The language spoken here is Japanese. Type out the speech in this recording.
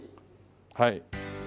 はい。